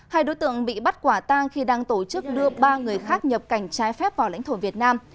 hai đối tượng bị bắt quả tang khi đang tổ chức đưa ba người khác nhập cảnh trái phép vào lãnh thổ việt nam